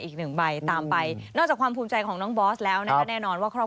เก่งจริงนะครับ